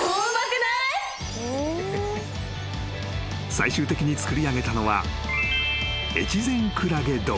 ［最終的に作りあげたのは］